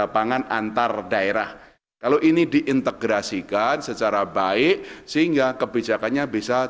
pada hari ini